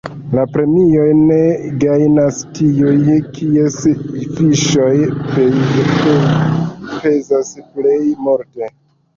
La premiojn gajnas tiuj, kies fiŝoj pezas plej multe.